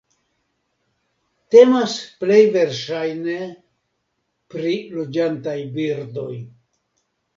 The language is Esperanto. Temas plej verŝajne pri loĝantaj birdoj.